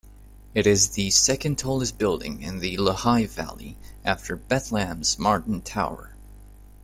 It is the second tallest building in the Lehigh Valley after Bethlehem's Martin Tower.